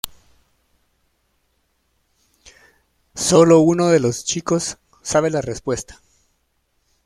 Sólo uno de los chicos sabe la respuesta.